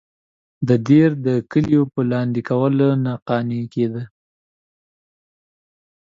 دی د دیر د کلیو په لاندې کولو نه قانع کېده.